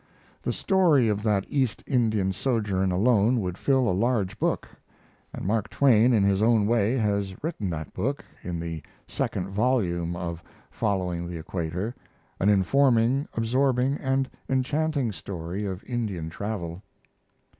The story of that East Indian sojourn alone would fill a large book, and Mark Twain, in his own way, has written that book, in the second volume of Following the Equator, an informing, absorbing, and enchanting story of Indian travel.